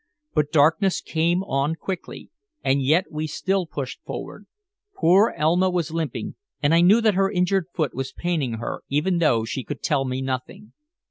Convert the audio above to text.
But darkness came on quickly, and yet we still pushed forward. Poor Elma was limping, and I knew that her injured foot was paining her, even though she could tell me nothing.